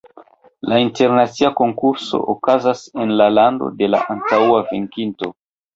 La internacia konkurso okazas en la lando de la antaŭa venkinto.